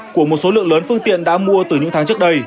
của một số lượng lớn phương tiện đã mua từ những tháng trước đây